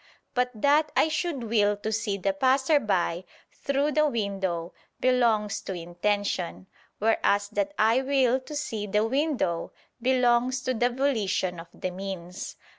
But that I should will to see the passersby, through the window, belongs to intention; whereas that I will to see the window, belongs to the volition of the means.